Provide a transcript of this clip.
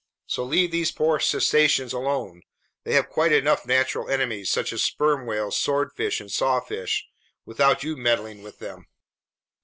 So leave these poor cetaceans alone. They have quite enough natural enemies, such as sperm whales, swordfish, and sawfish, without you meddling with them."